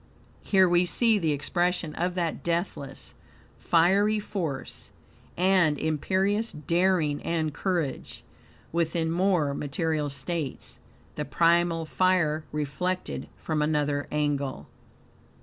Here we see the expression of that deathless, fiery force, and imperious daring and courage, within more material states; the primal fire reflected from another angle.